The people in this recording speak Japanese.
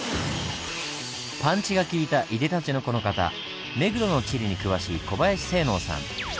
パンチが利いたいでたちのこの方目黒の地理に詳しい小林政能さん。